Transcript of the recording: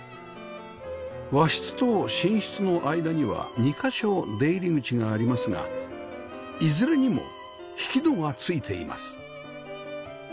和室と寝室の間には２カ所出入り口がありますがいずれにも引き戸が付いています